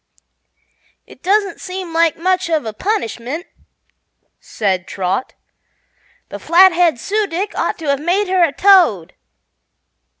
"It doesn't seem like much of a punishment," said Trot. "The Flathead Su dic ought to have made her a toad."